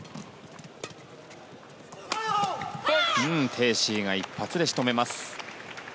テイ・シイが一発で仕留めました。